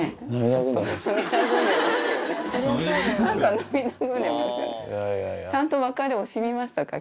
ちゃんと別れ惜しみましたか？